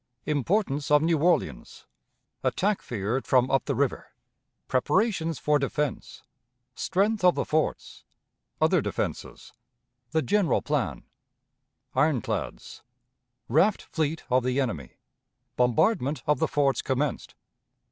Importance of New Orleans. Attack feared from up the River. Preparations for Defense. Strength of the Forts. Other Defenses. The General Plan. Ironclads. Raft Fleet of the Enemy. Bombardment of the Forts commenced.